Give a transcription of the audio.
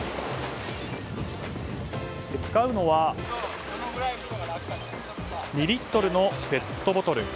使うのは２リットルのペットボトル。